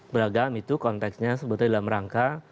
beragam itu konteksnya sebetulnya dalam rangka